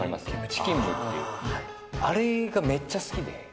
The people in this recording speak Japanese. チキンムっていう、あれがめっちゃ好きで。